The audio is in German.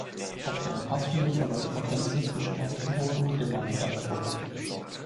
Auf der Passhöhe verläuft die Grenze zwischen Osttirol und dem Land Salzburg.